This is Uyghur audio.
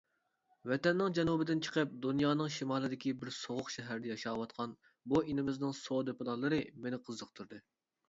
ۋەتەننىڭ جەنۇبىدىن چىقىپ دۇنيانىڭ شىمالىدىكى بىر سوغۇق شەھەردە ياشاۋاتقان بۇ ئىنىمىزنىڭ سودا پىلانلىرى مېنى قىزىقتۇردى.